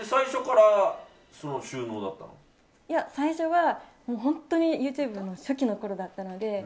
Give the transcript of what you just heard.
最初は本当にＹｏｕＴｕｂｅの初期のころだったので。